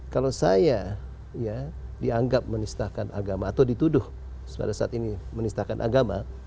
kalau saya dianggap menistahkan agama atau dituduh pada saat ini menistahkan agama